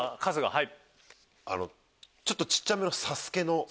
はい！